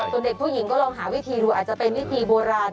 ส่วนเด็กผู้หญิงก็ลองหาวิธีดูอาจจะเป็นวิธีโบราณ